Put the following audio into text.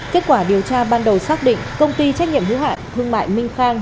kết quả điều tra ban đầu xác định công ty trách nhiệm hữu hạn thương mại minh khang